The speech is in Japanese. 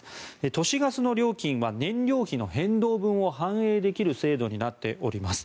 都市ガスの料金は燃料費の変動分を反映できる制度になっています。